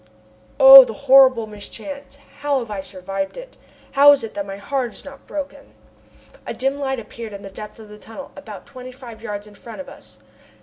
Oh! the horrible mischance! How have I survived it? How is it that my heart is not broken? A dim light appeared in the depth of the tunnel, about twenty five yards in front of us.